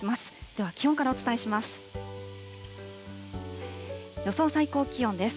では気温からお伝えします。